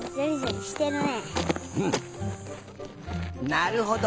なるほど。